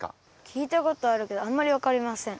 きいたことあるけどあんまりわかりません。